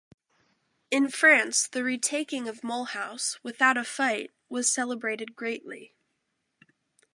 In France, the retaking of Mulhouse, without a fight, was celebrated greatly.